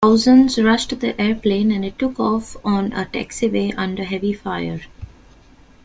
Thousands rushed the airplane and it took off on a taxiway under heavy fire.